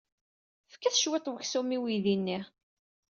Fket cwiṭ n weksum i weydi-nni.